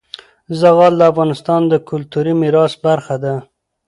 زغال د افغانستان د کلتوري میراث برخه ده.